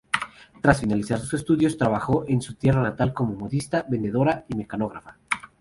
Tras finalizar sus estudios trabajó en su tierra natal como modista, vendedora y mecanógrafa.